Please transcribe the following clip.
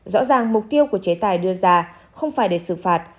rõ ràng mục tiêu của chế tài đưa ra không phải để xử phạt